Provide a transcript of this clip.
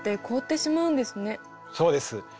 そうです。